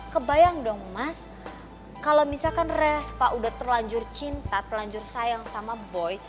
kebayang dong mas kalo misalkan reva udah terlanjur cinta terlanjur sayang sama boy